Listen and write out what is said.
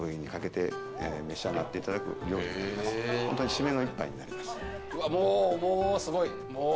締めの一杯になります。